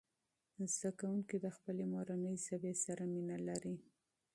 زده کوونکي د خپلې مورنۍ ژبې سره مینه لري.